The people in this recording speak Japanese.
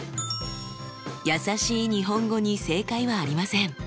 やさしい日本語に正解はありません。